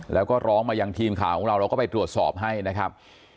แล้วก็ร้องมายังทีมข่าวของเราเราก็ไปตรวจสอบให้นะครับ